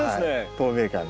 透明感が。